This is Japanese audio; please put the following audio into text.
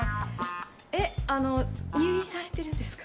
えっあの入院されてるんですか？